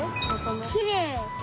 きれい！